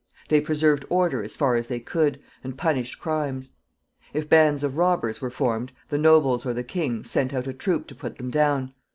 They preserved order as far as they could, and punished crimes. If bands of robbers were formed, the nobles or the king sent out a troop to put them down.